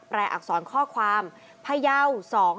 แปรอักษรข้อความพยาว๒๕๖๑